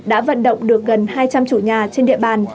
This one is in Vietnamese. đã vận động được gần hai trăm linh chủ nhà trên địa bàn